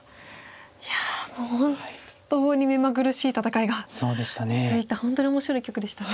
いやもう本当に目まぐるしい戦いが続いた本当に面白い一局でしたね。